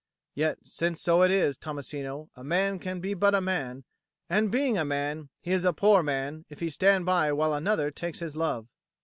Yet since so it is, Tommasino, a man can be but a man; and being a man, he is a poor man, if he stand by while another takes his love."